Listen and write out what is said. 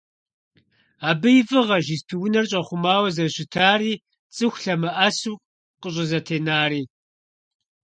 Абы и фIыгъэщ испы-унэр щIэхъумауэ зэрыщытари, цIыху лъэмыIэсу къыщIызэтенари.